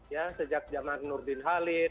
ya sejak zaman nurdin halid